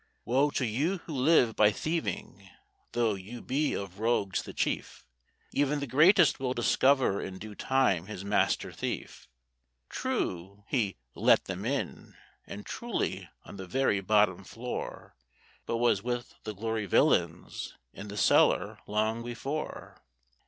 Woe to you who live by thieving, though you be of rogues the chief, Even the greatest will discover in due time his master thief. True, he "let them in," and truly on the very bottom floor, But was with the Gloryvillins in the cellar long before.